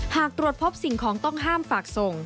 หากตรวจพบสิ่งของต้องห้ามฝากส่ง